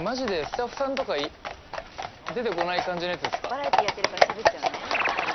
［バラエティーやってるからしゃべっちゃうねやっぱり。］